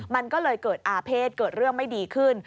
มันก็เลยเกิดอาเภษเกิดเรื่องไม่ดีขึ้น